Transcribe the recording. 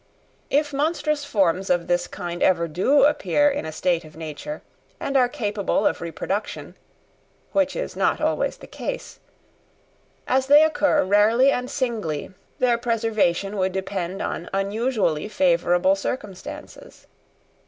If monstrous forms of this kind ever do appear in a state of nature and are capable of reproduction (which is not always the case), as they occur rarely and singly, their preservation would depend on unusually favourable circumstances.